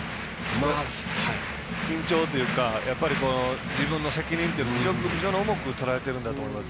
緊張というか自分の責任というのを非常に重くとらえてるんだと思います。